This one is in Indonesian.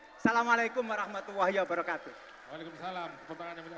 assalamualaikum warahmatullahi wabarakatuh